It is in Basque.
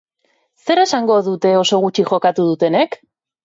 Zer esango dute oso gutxi jokatu dutenek?